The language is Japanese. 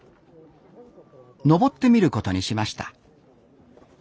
登ってみることにしました